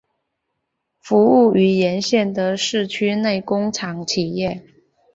服务于沿线的市区内工厂企业。